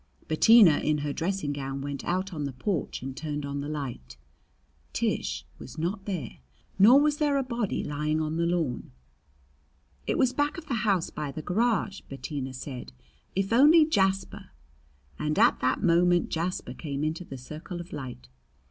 Bettina in her dressing gown went out on the porch and turned on the light. Tish was not there, nor was there a body lying on the lawn. "It was back of the house by the garage," Bettina said. "If only Jasper " And at that moment Jasper came into the circle of light.